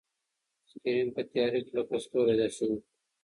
سکرین په تیاره کې لکه ستوری داسې و.